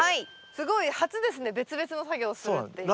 すごい初ですね別々の作業をするっていうのは。